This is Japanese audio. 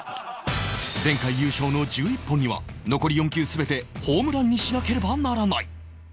前回優勝の１１本には残り４球全てホームランにしなければならない